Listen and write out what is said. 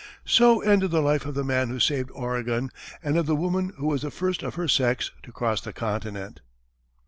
So ended the life of the man who saved Oregon, and of the woman who was the first of her sex to cross the continent.